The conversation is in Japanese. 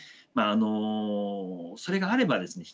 あのそれがあればですね